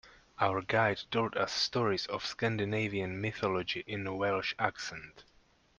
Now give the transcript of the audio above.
Our guide told us stories of Scandinavian mythology in a Welsh accent.